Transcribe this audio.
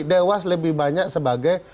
dewas lebih banyak sebagai